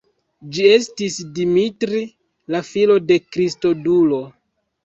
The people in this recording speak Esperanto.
Ĝi estis Dimitri, la filo de Kristodulo.